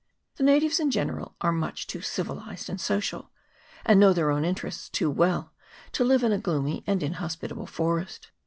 The natives in general are much too civilised and social, and know their own interests too well, to live in a gloomy and inhospitable forest.